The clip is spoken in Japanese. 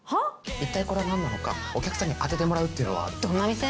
いったいこれはなんなのかお客さんに当ててもらうっていうのはどんな店？